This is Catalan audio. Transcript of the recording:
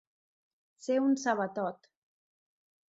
Ser un sabatot.